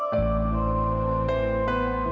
ma aku mau pergi